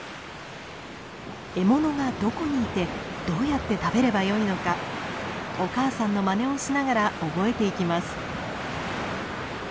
獲物がどこにいてどうやって食べればよいのかお母さんのまねをしながら覚えていきます。